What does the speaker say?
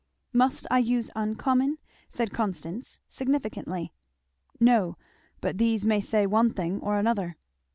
"Must I use uncommon?" said Constance significantly. "No but these may say one thing or another."